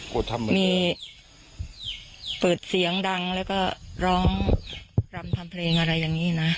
กลัวทำเหมือนเดิมมีเปิดเสียงดังแล้วก็ร้องรำทำเพลงอะไรอย่างงี้น่ะ